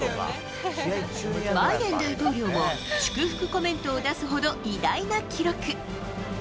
バイデン大統領も祝福コメントを出すほど、偉大な記録。